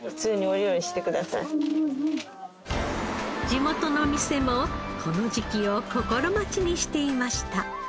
地元の店もこの時期を心待ちにしていました。